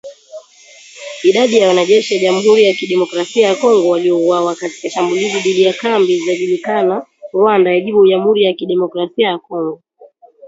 Idadi ya wanajeshi wa Jamuhuri ya kidemokrasia ya Kongo waliouawa katika shambulizi dhidi ya kambi zhaijajulikana Rwanda yajibu Jamuhuri ya kidemokrasia ya Kongo